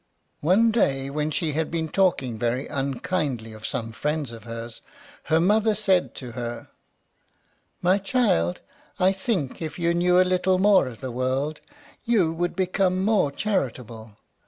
One day, when she had been talking very unkindly of some friends of hers, her mother said to her: "My child, I think if you knew a little more of the world, you would become more charitable.